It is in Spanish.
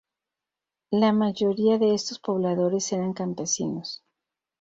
La mayoría de estos pobladores eran campesinos.